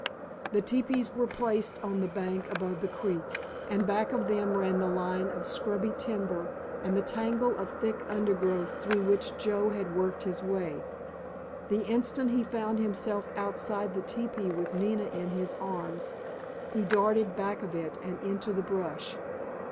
The teepees were placed on the bank above the creek, and back of them ran the line of scrubby timber and the tangle of thick undergrowth through which Joe had worked his way. The instant he found himself outside the teepee with Nina in his arms he darted back of it and into the brush.